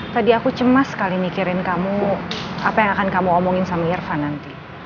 tadi aku cemas sekali mikirin kamu apa yang akan kamu omongin sama irvan nanti